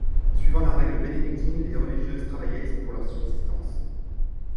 Suivant la règle bénédictine, les religieuses travaillent pour leur subsistance.